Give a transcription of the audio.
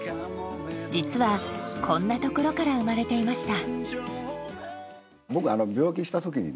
実は、こんなところから生まれていました。